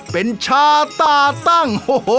เป็นชาตาตั้ง